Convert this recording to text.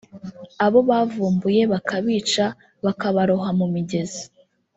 abo bavumbuye bakabica bakabaroha mu migezi